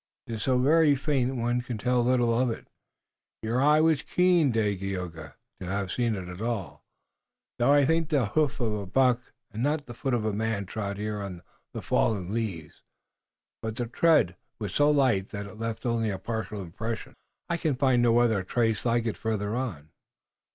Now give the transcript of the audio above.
"It is so very faint one can tell little of it. Your eye was keen, Dagaeoga, to have seen it at all, though I think the hoof of a buck and not the foot of a man trod here on the fallen leaves, but the tread was so light that it left only a partial impression." "I can find no other trace like it farther on."